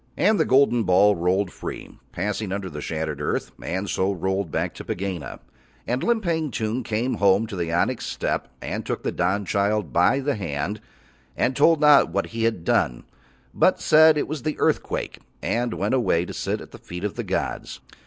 And the golden ball rolled free, passing under the shattered earth, and so rolled back to Pegāna; and Limpang Tung came home to the onyx step and took the Dawnchild by the hand and told not what he had done but said it was the Earthquake, and went away to sit at the feet of the gods.